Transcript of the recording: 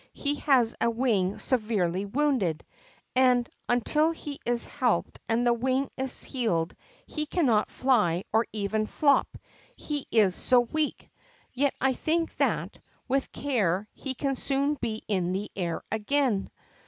He has a wing severely wounded, and, until he is helped and the wing has healed, he cannot fly or even flop, he is so weak. Yet I think that, with care, he can soon be in the air again.